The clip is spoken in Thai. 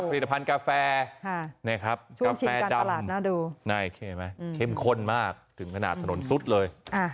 ผลิตภัณฑ์กาแฟกาแฟดำเข้มข้นมากถึงขนาดถนนซุดเลย